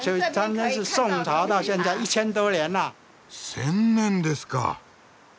千年ですか！